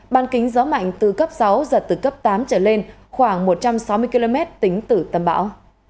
ban kính gió mạnh từ cấp sáu giật từ cấp tám trở lên khoảng một trăm sáu mươi km tính từ tâm bão